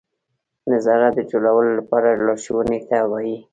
نظارت د جوړولو لپاره لارښوونې ته وایي.